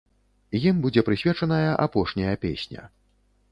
Ім будзе прысвечаная апошняя песня.